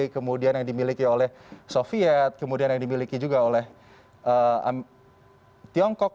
kemudian yang dimiliki oleh soviet kemudian yang dimiliki juga oleh tiongkok